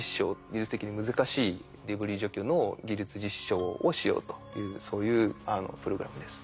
技術的に難しいデブリ除去の技術実証をしようというそういうプログラムです。